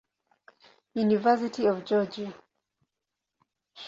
University of Georgia.